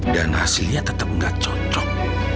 dan hasilnya tetap nggak cocok